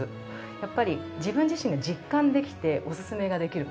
やっぱり自分自身が実感できておすすめができるもの。